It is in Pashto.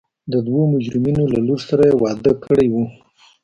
د دوو مجرمینو له لور سره یې واده کړی و.